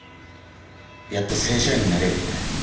やっと正社員になれるって。